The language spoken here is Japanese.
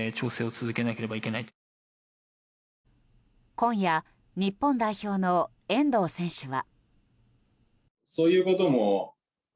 今夜、日本代表の遠藤選手は。